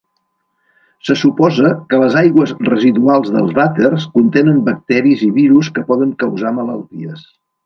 Se suposa que les aigües residuals dels vàters contenen bacteris i virus que poden causar malalties.